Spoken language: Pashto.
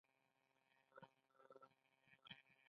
دا یوه بې ساري ننګونکی حالت دی.